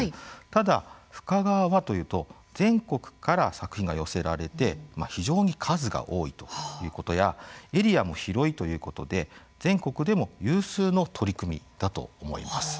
ただ、深川はというと全国から作品が寄せられて非常に数が多いということやエリアも広いということで全国でも有数の取り組みだと思います。